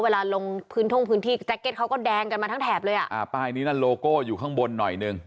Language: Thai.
ลงพื้นท่งพื้นที่แจ็คเก็ตเขาก็แดงกันมาทั้งแถบเลยอ่ะอ่าป้ายนี้นั่นโลโก้อยู่ข้างบนหน่อยหนึ่ง